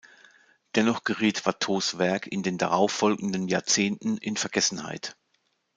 Dennoch geriet Watteaus Werk in den darauf folgenden Jahrzehnten in Vergessenheit.